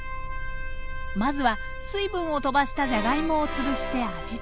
まずは水分をとばしたじゃがいもをつぶして味付け。